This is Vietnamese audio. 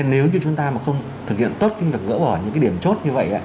nếu như chúng ta mà không thực hiện tốt thì được gỡ bỏ những điểm chốt như vậy